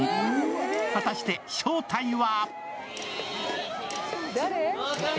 果たして正体は？